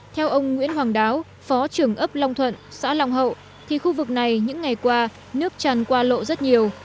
theo ông nguyễn hoàng đáo phó trưởng ấp long thuận xã long hậu thì khu vực này những ngày qua nước tràn qua lộ rất nhiều